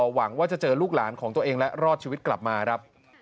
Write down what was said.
หวังว่าจะเจอลูกหลานของตัวเองและรอดชีวิตกลับมาครับ